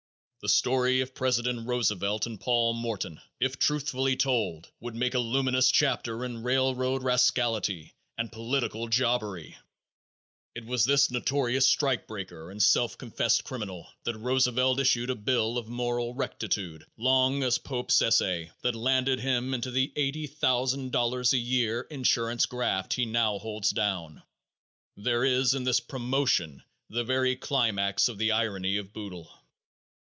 The story of President Roosevelt and Paul Morton, if truthfully told, would make a luminous chapter in railroad rascality and political jobbery. It was to this notorious strike breaker and self confessed criminal that Roosevelt issued a bill of moral rectitude long as Pope's essay that landed him into the eighty thousand dollars a year insurance graft he now holds down. There is in this "promotion" the very climax of the irony of boodle.